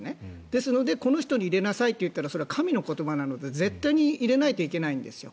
ですのでこの人に入れなさいと言ったらそれは神の言葉ですので絶対に入れないといけないんですよ。